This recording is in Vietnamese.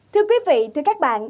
thưa quý vị thưa các bạn